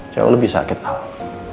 jauh lebih sakit alam